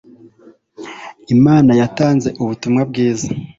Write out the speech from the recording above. imana yatanze ubutumwa bwiza